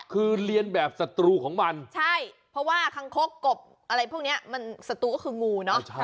คือเรียนแบบศัตรูของมันใช่เพราะว่าคังคกบอะไรพวกนี้มันศัตรูก็คืองูเนอะ